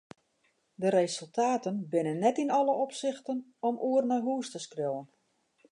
De resultaten binne net yn alle opsichten om oer nei hús te skriuwen.